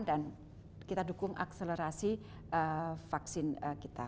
kita dukung akselerasi vaksin kita